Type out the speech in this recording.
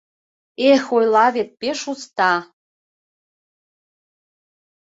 Эх, ойла вет, пеш уста.